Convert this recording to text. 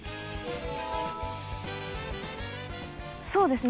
そうですね